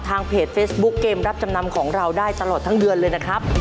เพจเฟซบุ๊คเกมรับจำนำของเราได้ตลอดทั้งเดือนเลยนะครับ